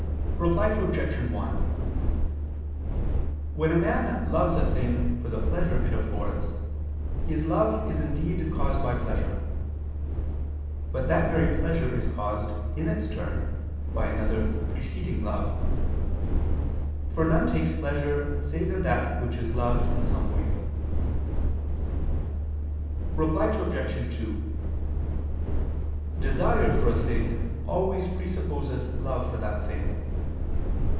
Reply Obj. 1: When a man loves a thing for the pleasure it affords, his love is indeed caused by pleasure; but that very pleasure is caused, in its turn, by another preceding love; for none takes pleasure save in that which is loved in some way. Reply Obj. 2: Desire for a thing always presupposes love for that thing.